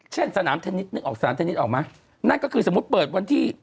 สนามเทนนิสนึกออกสนามเทนนิสออกไหมนั่นก็คือสมมุติเปิดวันที่